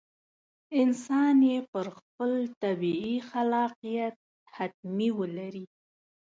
انسان یې پر خپل طبیعي خلاقیت حتمي ولري.